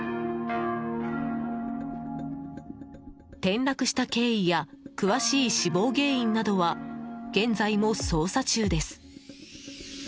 転落した経緯や詳しい死亡原因などは現在も捜査中です。